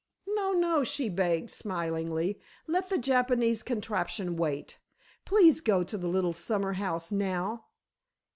"No, no," she begged, smilingly, "let the Japanese contraption wait; please go to the little summer house now.